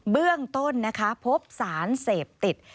เบื้องต้นนะคะพบสารเสพติด